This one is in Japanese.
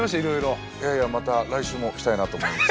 いやいやまた来週も来たいなと思います。